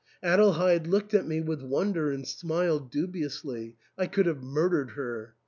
Adelheid looked at me with wonder and smiled dubiously ;— I could have murdered her.